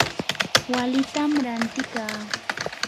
walitam rantikaa.